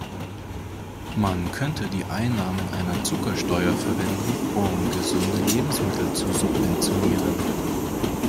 Man könnte die Einnahmen einer Zuckersteuer verwenden, um gesunde Lebensmittel zu subventionieren.